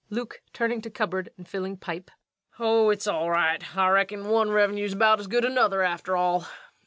LUKE. [Turning to cupboard and filling pipe.] Oh, it's all right. I reckon one Revenue's about as good as another, after all.